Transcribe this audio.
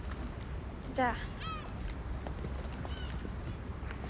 じゃあ。